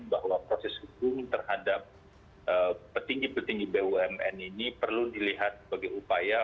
bahwa proses hukum terhadap petinggi petinggi bumn ini perlu dilihat sebagai upaya